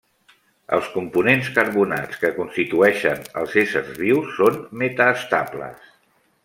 Els components carbonats que constitueixen els éssers vius són metaestables.